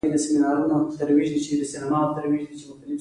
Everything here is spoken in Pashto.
هغوی د خپلو خیالونو له امله مدنیت ته ډېر څه ورکړي